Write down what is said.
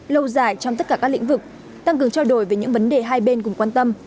lâu dài trong tất cả các lĩnh vực tăng cường trao đổi về những vấn đề hai bên cùng quan tâm